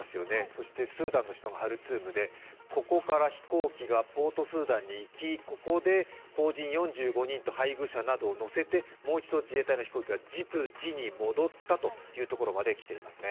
そしてスーダンの首都がハルツームで、ここから飛行機がポートスーダンに行き、ここで邦人４５人と配偶者などを乗せてもう一度自衛隊の飛行機がジブチに戻ったというニュースが入っていますね。